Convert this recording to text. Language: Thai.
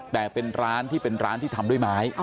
แต่เป็นร้านที่เป็นร้านที่ทำด้วยไม้